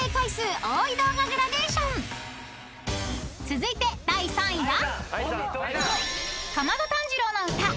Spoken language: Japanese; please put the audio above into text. ［続いて第３位は？］